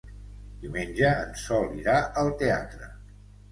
Diumenge en Sol irà al teatre.